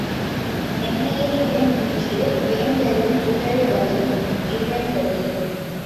மெல்லிய இளங்கீற்று, வேந்தரின் உதடுகளில் இழைந்தது.